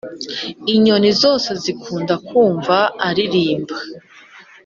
inyoni zose zikunda kumva aririmba